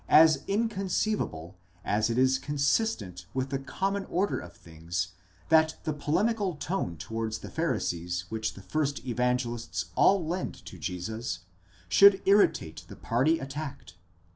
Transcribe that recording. * as inconceivable, as it is consistent with the common order of things that the polemical tone towards the Phari sees which the first Evangelists all lend to Jesus, should irritate the party attacked.